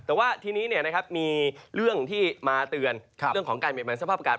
แต่ว่าทีนี้มีเรื่องที่มาเตือนเรื่องของการเปลี่ยนแปลงสภาพอากาศ